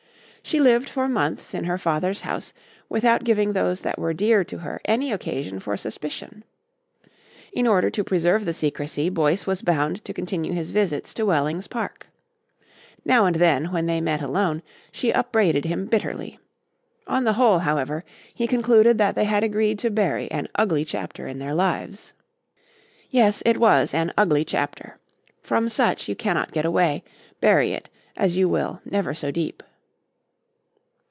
She lived for months in her father's house without giving those that were dear to her any occasion for suspicion. In order to preserve the secrecy Boyce was bound to continue his visits to Wellings Park. Now and then, when they met alone, she upbraided him bitterly. On the whole, however, he concluded that they had agreed to bury an ugly chapter in their lives. Yes, it was an ugly chapter. From such you cannot get away, bury it, as you will, never so deep.